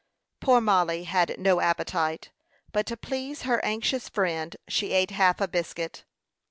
Poor Mollie had no appetite; but to please her anxious friend, she ate half a biscuit.